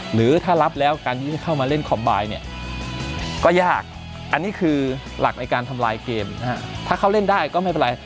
หรือถ้ารับแล้วการที่จะเข้ามาเล่นคอมบายเนี่ยก็ยากอันนี้คือหลักในการทำลายเกมนะฮะถ้าเขาเล่นได้ก็ไม่เป็นไร